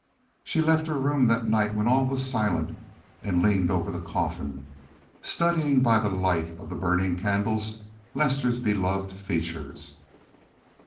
She left her room that night when all was silent and leaned over the coffin, studying by the light of the burning candles Lester's beloved features.